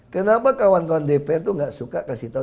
kenapa kawan kawan dpr itu gak suka kasih tau